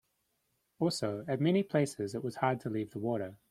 Also, at many places it was hard to leave the water.